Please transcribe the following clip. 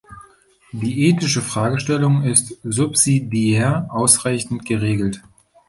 Die ethische Fragestellung ist subsidiär ausreichend geregelt.